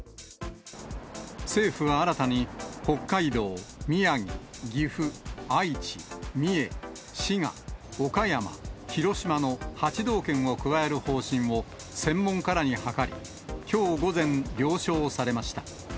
政府は新たに、北海道、宮城、岐阜、愛知、三重、滋賀、岡山、広島の、８道県を加える方針を専門家らに諮り、きょう午前、了承されました。